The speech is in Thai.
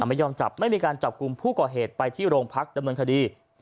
ไม่ยอมจับไม่มีการจับกลุ่มผู้ก่อเหตุไปที่โรงพักดำเนินคดี